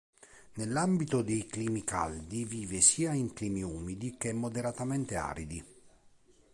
Nell'ambito dei climi caldi vive sia in climi umidi che moderatamente aridi.